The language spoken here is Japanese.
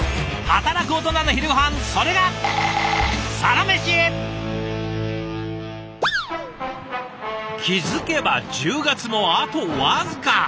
働くオトナの昼ごはんそれが気付けば１０月もあと僅か。